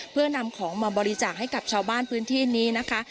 เพื่อนำของมาบริจาคให้กับชาวบ้านพื้นที่นี้นะคะ